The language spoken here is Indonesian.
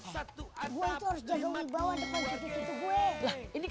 semuanya sayang emak